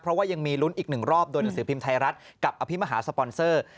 เพราะว่ายังมีลุ้นอีกหนึ่งรอบโดยหนังสือพิมพ์ไทยรัฐกับอภิมหาสปอนเซอร์